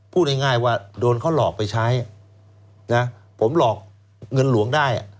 พูดง่ายว่าโดนเขาหลอกไปใช้นะผมหลอกเงินหลวงได้